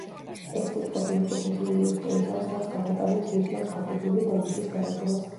ეს სიტყვები ეკუთვნის იულიუს კეისარს რაც გადატანით ნიშნავს გაბედული ნაბიჯის გადადგმას.